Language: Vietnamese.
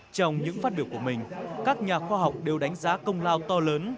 trong những phát biểu của mình các nhà khoa học đều đánh giá công lao to lớn